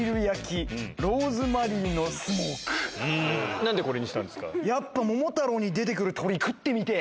何でこれにしたんですか？